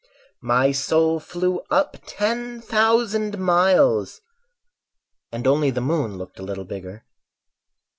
My soul flew up ten thousand miles And only the moon looked a little bigger.